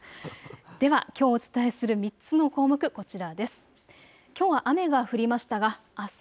ではきょうお伝えする３つの項目こちらです。